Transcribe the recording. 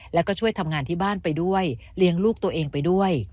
แล้วก็ช่วยทำงานที่บ้านไปด้วยเลี้ยงลูกตัวเองไปด้วย